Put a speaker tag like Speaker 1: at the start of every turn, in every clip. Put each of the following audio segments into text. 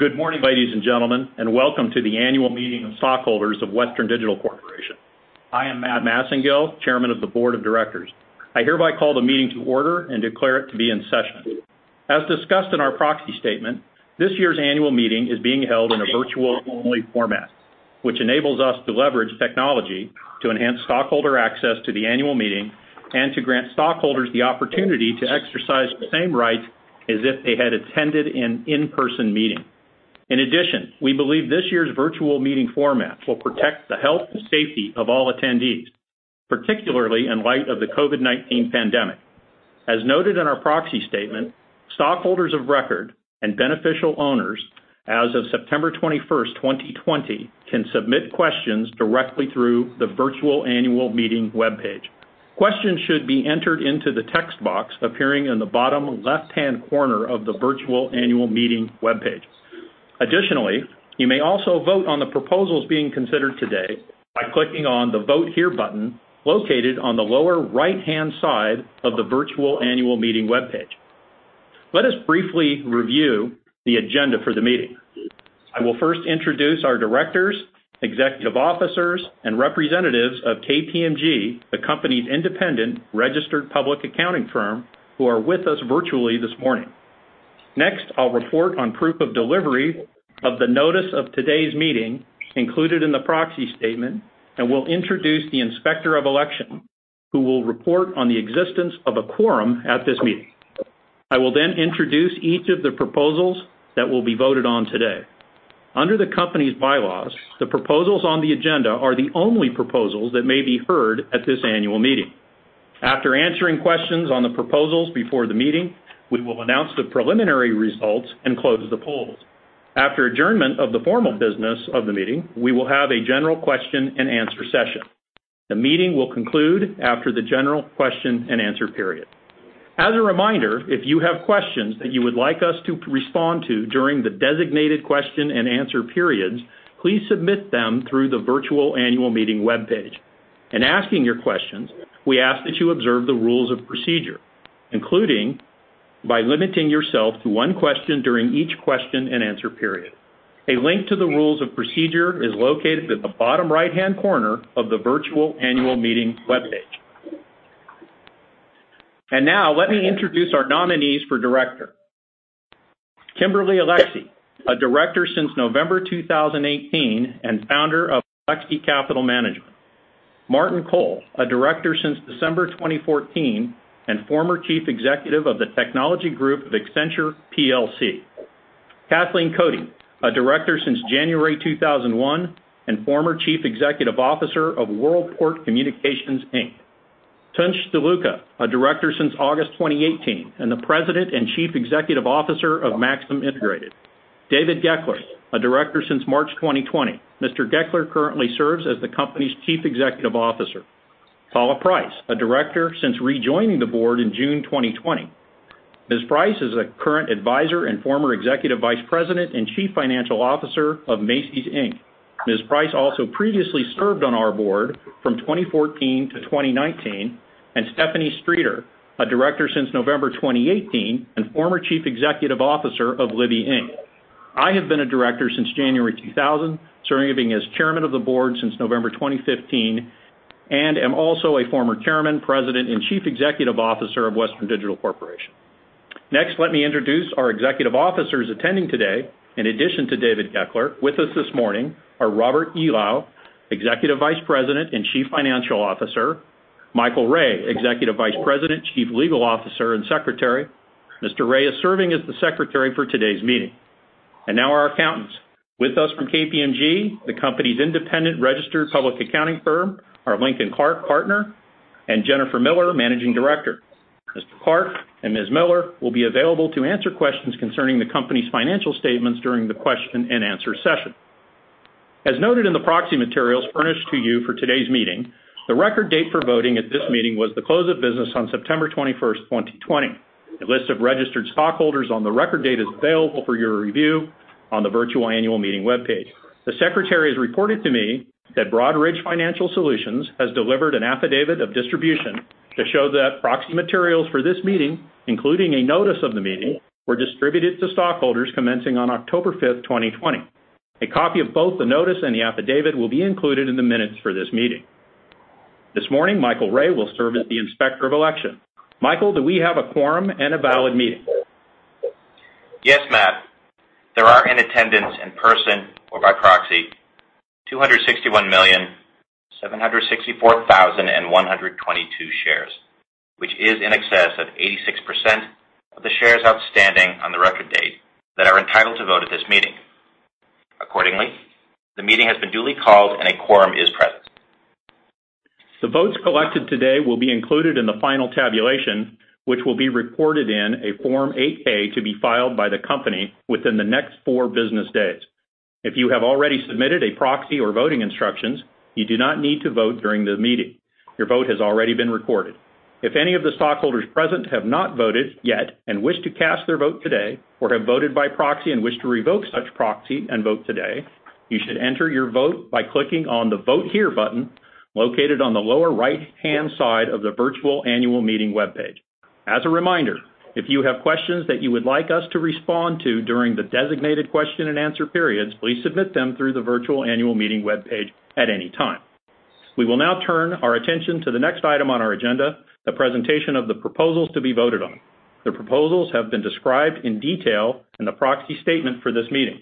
Speaker 1: Good morning, ladies and gentlemen, and welcome to the annual meeting of stockholders of Western Digital Corporation. I am Matt Massengill, Chairman of the Board of Directors. I hereby call the meeting to order and declare it to be in session. As discussed in our proxy statement, this year's annual meeting is being held in a virtual-only format, which enables us to leverage technology to enhance stockholder access to the annual meeting and to grant stockholders the opportunity to exercise the same rights as if they had attended an in-person meeting. In addition, we believe this year's virtual meeting format will protect the health and safety of all attendees, particularly in light of the COVID-19 pandemic. As noted in our proxy statement, stockholders of record and beneficial owners as of September 21st, 2020, can submit questions directly through the virtual annual meeting webpage. Questions should be entered into the text box appearing in the bottom left-hand corner of the virtual annual meeting webpage. Additionally, you may also vote on the proposals being considered today by clicking on the Vote Here button located on the lower right-hand side of the virtual annual meeting webpage. Let us briefly review the agenda for the meeting. I will first introduce our directors, executive officers, and representatives of KPMG, the company's independent registered public accounting firm, who are with us virtually this morning. I'll report on proof of delivery of the notice of today's meeting included in the proxy statement, and will introduce the Inspector of Election, who will report on the existence of a quorum at this meeting. I will introduce each of the proposals that will be voted on today. Under the company's bylaws, the proposals on the agenda are the only proposals that may be heard at this annual meeting. After answering questions on the proposals before the meeting, we will announce the preliminary results and close the polls. After adjournment of the formal business of the meeting, we will have a general question and answer session. The meeting will conclude after the general question and answer period. As a reminder, if you have questions that you would like us to respond to during the designated question and answer periods, please submit them through the virtual annual meeting webpage. In asking your questions, we ask that you observe the rules of procedure, including by limiting yourself to one question during each question and answer period. A link to the rules of procedure is located at the bottom right-hand corner of the virtual annual meeting webpage. Now let me introduce our nominees for director. Kimberly Alexy, a director since November 2018 and founder of Alexy Capital Management. Martin Cole, a director since December 2014 and former Chief Executive of the Technology Group of Accenture plc. Kathleen Cote, a director since January 2001 and former Chief Executive Officer of WorldPort Communications, Inc. Tunç Doluca, a director since August 2018 and the President and Chief Executive Officer of Maxim Integrated. David Goeckeler, a director since March 2020. Mr. Goeckeler currently serves as the company's Chief Executive Officer. Paula Price, a director since rejoining the board in June 2020. Ms. Price is a current advisor and former Executive Vice President and Chief Financial Officer of Macy's, Inc. Ms. Price also previously served on our board from 2014 to 2019. Stephanie Streeter, a director since November 2018 and former Chief Executive Officer of Libbey Inc. I have been a director since January 2000, serving as chairman of the board since November 2015, am also a former Chairman, President, and Chief Executive Officer of Western Digital Corporation. Let me introduce our executive officers attending today. In addition to David Goeckeler, with us this morning are Robert Eulau, Executive Vice President and Chief Financial Officer. Michael Ray, Executive Vice President, Chief Legal Officer, and Secretary. Mr. Ray is serving as the secretary for today's meeting. Now our accountants. With us from KPMG, the company's independent registered public accounting firm, are Lincoln Clark, partner, and Jennifer Miller, managing director. Mr. Clark and Ms. Miller will be available to answer questions concerning the company's financial statements during the question and answer session. As noted in the proxy materials furnished to you for today's meeting, the record date for voting at this meeting was the close of business on September 21st, 2020. A list of registered stockholders on the record date is available for your review on the virtual annual meeting webpage. The secretary has reported to me that Broadridge Financial Solutions has delivered an affidavit of distribution to show that proxy materials for this meeting, including a notice of the meeting, were distributed to stockholders commencing on October 5th, 2020. A copy of both the notice and the affidavit will be included in the minutes for this meeting. This morning, Michael Ray will serve as the inspector of election. Michael, do we have a quorum and a valid meeting?
Speaker 2: Yes, Matt. There are in attendance in person or by proxy 261,764,122 shares, which is in excess of 86% of the shares outstanding on the record date that are entitled to vote at this meeting. Accordingly, the meeting has been duly called and a quorum is present.
Speaker 1: The votes collected today will be included in the final tabulation, which will be reported in a Form 8-K to be filed by the company within the next four business days. If you have already submitted a proxy or voting instructions, you do not need to vote during the meeting. Your vote has already been recorded. If any of the stockholders present have not voted yet and wish to cast their vote today or have voted by proxy and wish to revoke such proxy and vote today, you should enter your vote by clicking on the Vote Here button located on the lower right-hand side of the virtual annual meeting webpage. As a reminder, if you have questions that you would like us to respond to during the designated question and answer periods, please submit them through the virtual annual meeting webpage at any time. We will now turn our attention to the next item on our agenda, the presentation of the proposals to be voted on. The proposals have been described in detail in the proxy statement for this meeting.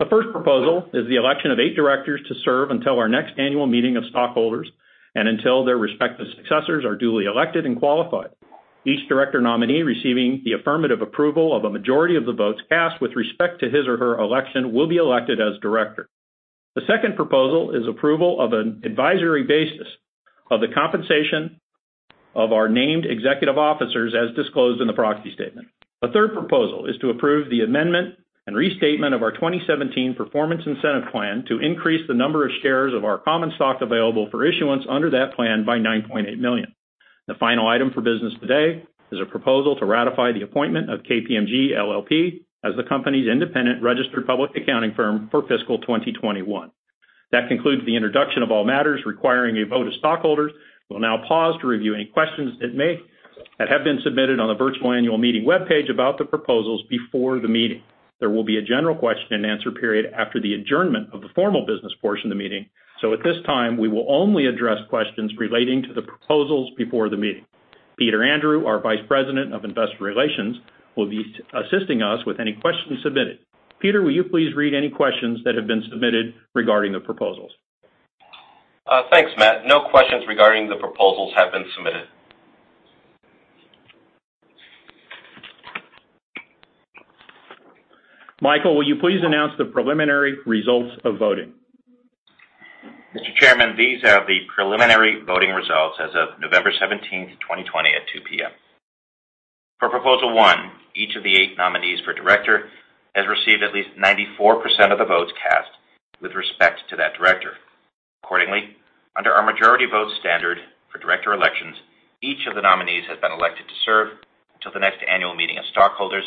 Speaker 1: The first proposal is the election of eight directors to serve until our next annual meeting of stockholders and until their respective successors are duly elected and qualified. Each director nominee receiving the affirmative approval of a majority of the votes cast with respect to his or her election will be elected as director. The second proposal is approval of an advisory basis of the compensation of our named executive officers as disclosed in the proxy statement. The third proposal is to approve the amendment and restatement of our 2017 Performance Incentive Plan to increase the number of shares of our common stock available for issuance under that plan by 9.8 million. The final item for business today is a proposal to ratify the appointment of KPMG LLP as the company's independent registered public accounting firm for fiscal 2021. That concludes the introduction of all matters requiring a vote of stockholders. We'll now pause to review any questions that have been submitted on the virtual annual meeting webpage about the proposals before the meeting. There will be a general question and answer period after the adjournment of the formal business portion of the meeting. At this time, we will only address questions relating to the proposals before the meeting. Peter Andrew, our Vice President of Investor Relations, will be assisting us with any questions submitted. Peter, will you please read any questions that have been submitted regarding the proposals?
Speaker 3: Thanks, Matt. No questions regarding the proposals have been submitted.
Speaker 1: Michael, will you please announce the preliminary results of voting?
Speaker 2: Mr. Chairman, these are the preliminary voting results as of November 17, 2020, at 2:00 P.M. For proposal one, each of the eight nominees for director has received at least 94% of the votes cast with respect to that director. Accordingly, under our majority vote standard for director elections, each of the nominees has been elected to serve until the next annual meeting of stockholders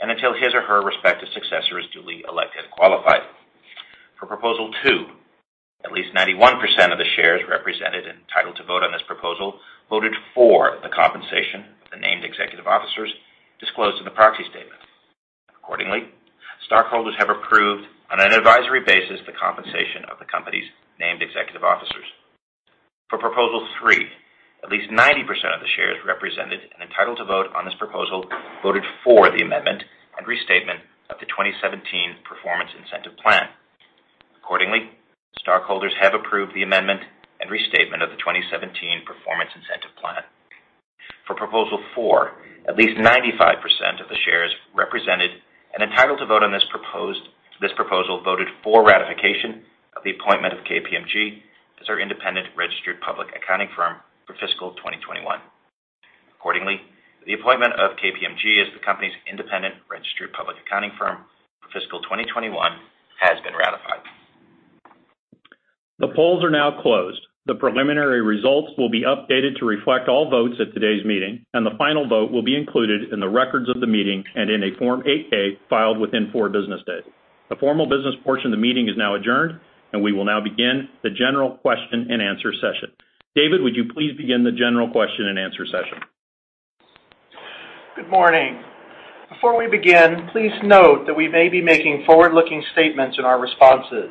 Speaker 2: and until his or her respective successor is duly elected and qualified. For proposal two, at least 91% of the shares represented and entitled to vote on this proposal voted for the compensation of the named executive officers disclosed in the proxy statement. Accordingly, stockholders have approved, on an advisory basis, the compensation of the company's named executive officers. For proposal three, at least 90% of the shares represented and entitled to vote on this proposal voted for the amendment and restatement of the 2017 Performance Incentive Plan. Accordingly, stockholders have approved the amendment and restatement of the 2017 Performance Incentive Plan. For proposal four, at least 95% of the shares represented and entitled to vote on this proposal voted for ratification of the appointment of KPMG as our independent registered public accounting firm for fiscal 2021. Accordingly, the appointment of KPMG as the company's independent registered public accounting firm for fiscal 2021 has been ratified.
Speaker 1: The polls are now closed. The preliminary results will be updated to reflect all votes at today's meeting, and the final vote will be included in the records of the meeting and in a Form 8-K filed within four business days. The formal business portion of the meeting is now adjourned, and we will now begin the general question and answer session. David, would you please begin the general question and answer session?
Speaker 4: Good morning. Before we begin, please note that we may be making forward-looking statements in our responses.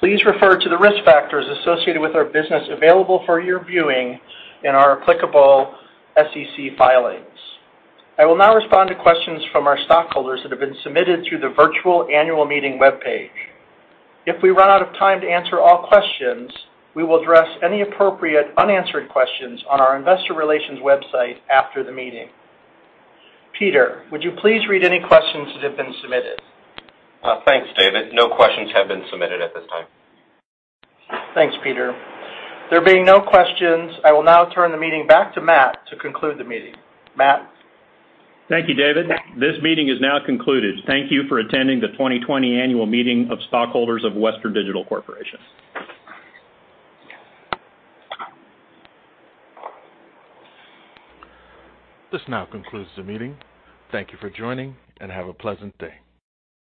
Speaker 4: Please refer to the risk factors associated with our business available for your viewing in our applicable SEC filings. I will now respond to questions from our stockholders that have been submitted through the virtual annual meeting webpage. If we run out of time to answer all questions, we will address any appropriate unanswered questions on our investor relations website after the meeting. Peter, would you please read any questions that have been submitted?
Speaker 3: Thanks, David. No questions have been submitted at this time.
Speaker 4: Thanks, Peter. There being no questions, I will now turn the meeting back to Matt to conclude the meeting. Matt?
Speaker 1: Thank you, David. This meeting is now concluded. Thank you for attending the 2020 Annual Meeting of Stockholders of Western Digital Corporation.
Speaker 5: This now concludes the meeting. Thank you for joining, and have a pleasant day.